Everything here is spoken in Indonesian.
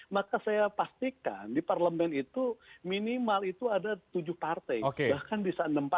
maka saya pastikan di parlemen itu minimal itu ada tujuh partai